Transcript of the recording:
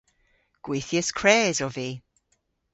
Gwithyas kres ov vy.